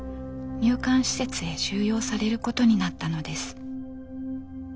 入管施設へ収容されることになったのです。